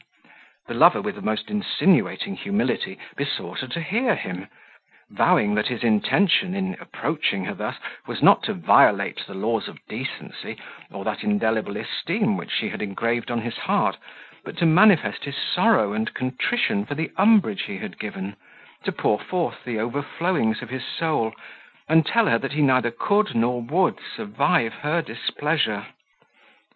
The lover, with the most insinuating humility, besought her to hear him; vowing that his intention, in approaching her thus, was not to violate the laws of decency, or that indelible esteem which she had engraved on his heart; but to manifest his sorrow and contrition for the umbrage he had given, to pour forth the overflowings of his soul, and tell her that he neither could nor would survive her displeasure.